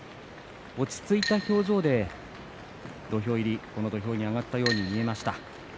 落ち着いた表情でこの土俵に上がったように見えました。